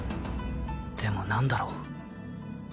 でも何だろう